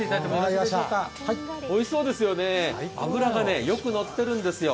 おいしそうですよね、脂がよく乗ってるんですよ。